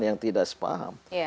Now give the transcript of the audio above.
yang tidak sepaham